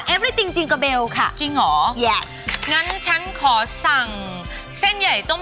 ไม่เอาช้อนไม่เอาตะเกียบ